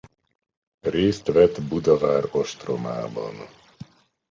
Részt vett Budavár ostromában.